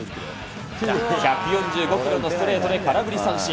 １４５キロのストレートで空振り三振。